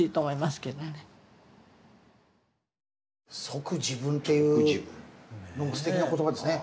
「即自分」っていうのすてきな言葉ですね。